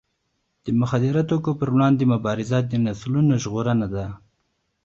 د مخدره توکو پر وړاندې مبارزه د نسلونو ژغورنه ده.